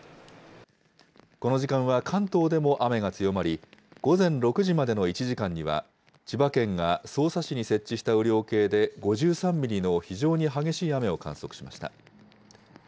この時間は関東でも雨が強まり、午前６時までの１時間には、千葉県が匝瑳市に設置した雨量計で５３ミリの非常に激しい雨を観測しました。